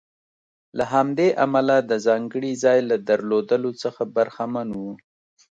له همدې امله د ځانګړي ځای له درلودلو څخه برخمن و.